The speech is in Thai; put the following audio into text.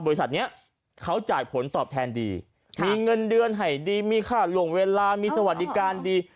บริษัทนี้เขาจ่ายผลตอบแทนดีมีเงินเดือนให้ดีมีค่าหลวงเวลามีสวัสดิการดี